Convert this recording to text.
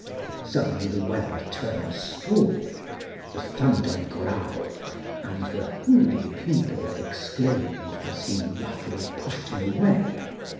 Suddenly the weather turned stormy. The thunder growled, and the holy pupil exclaimed as he roughly pushed him away.